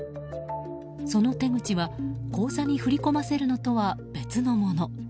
その手口は口座に振り込ませるのとは別のもの。